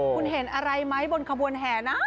คุณเห็นอะไรไหมบนขบวนแห่นะ